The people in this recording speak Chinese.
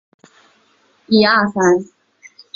生母不详。